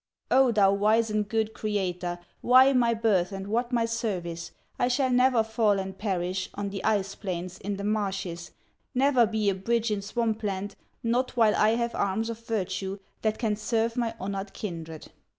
"O, thou wise and good Creator, Why my birth and what my service? I shall never fall and perish On the ice plains, in the marshes, Never be a bridge in swamp land, Not while I have arms of virtue That can serve my honored kindred!"